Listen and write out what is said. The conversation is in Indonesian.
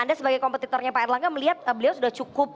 anda sebagai kompetitornya pak erlangga melihat beliau sudah cukup